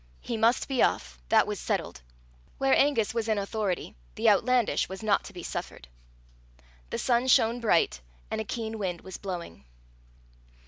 He must be off. That was settled. Where Angus was in authority, the outlandish was not to be suffered. The sun shone bright, and a keen wind was blowing.